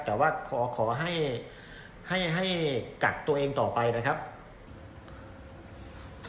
แต่ว่าขอให้ให้กักตัวเองต่อไปนะครับ